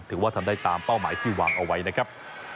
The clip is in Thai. ถือว่าทำได้ตามเป้าหมายที่วางเอาไว้นะครับ